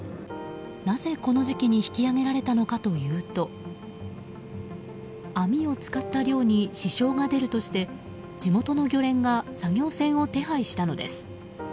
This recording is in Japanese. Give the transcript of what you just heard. なぜこの時期に引き揚げられたのかというと網を使った漁に支障が出るとして地元の漁連が作業船を手配したのです。